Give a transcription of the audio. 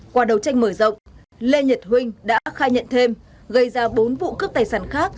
qua đầu tranh mở rộng lê nhật huynh đã khai nhận thêm gây ra bốn vụ cướp tài sản khác